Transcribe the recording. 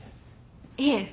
いえ。